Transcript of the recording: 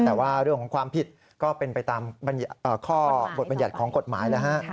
แต่ว่าเรื่องของความผิดก็เป็นไปตามข้อบทบรรยัติของกฎหมายแล้วฮะ